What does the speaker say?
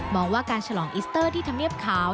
ว่าการฉลองอิสเตอร์ที่ธรรมเนียบขาว